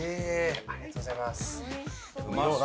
ありがとうございます。